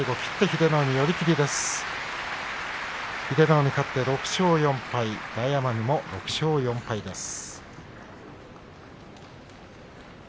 英乃海、勝って６勝４敗、大奄美も６勝４敗です。